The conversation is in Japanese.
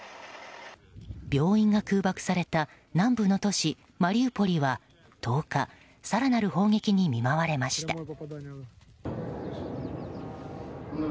病院が空爆された南部の都市マリウポリは１０日、更なる砲撃に見舞われました。